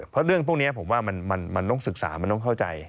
เพราะเรื่องพวกนี้ผมว่ามันต้องศึกษามันต้องเข้าใจ